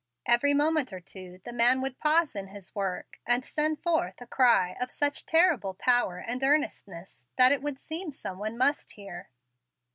Every moment or two the man would pause in his work and send forth a cry of such terrible power and earnestness that it would seem some one must hear.